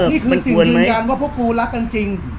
มันควรไหมนี่คือสินดินยันว่าพวกกูรักจริงจริง